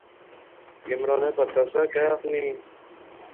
عمرانے پتہ سا کہیہ آخنی